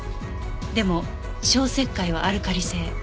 でも消石灰はアルカリ性。